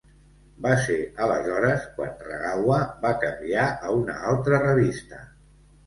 Va ser aleshores quan Ragawa va canviar a una altra revista.